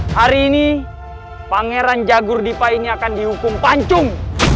hari ini pangeran jagur dipa ini akan dihukum pancung